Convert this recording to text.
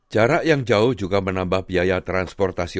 jarak yang jauh juga menambah biaya transportasi